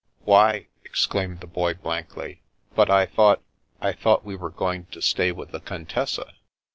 "Why," exclaimed the Boy blankly, "but I thought — I thought we were going to stay with the Contessa